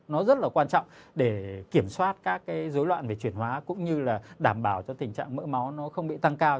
nó rất là quan trọng để kiểm soát các cái dối loạn về chuyển hóa cũng như là đảm bảo cho tình trạng mỡ máu nó không bị tăng cao